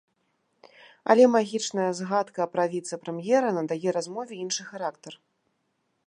Але магічная згадка пра віцэ-прэм'ера надае размове іншы характар.